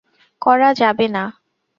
করা যাবে না।